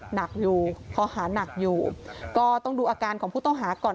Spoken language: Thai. หนักอยู่ข้อหานักอยู่ก็ต้องดูอาการของผู้ต้องหาก่อน